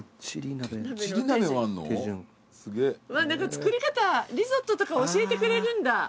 作り方リゾットとか教えてくれるんだ。